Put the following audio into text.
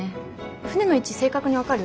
船の位置正確に分かる？